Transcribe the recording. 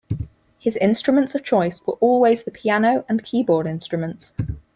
His instruments of choice were always the piano and keyboard instruments.